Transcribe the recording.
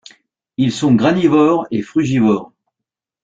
Ils sont granivores et frugivores.